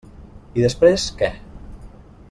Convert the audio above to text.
I després, què?